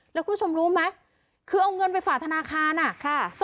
แล้วคุณผู้ชมรู้ไหมคือเอาเงินไปฝากธนาคารอ่ะค่ะ